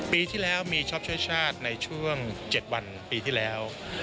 ปีที่แล้วมีชอบช่วยชาติในช่วง๗วันปีที่แล้ว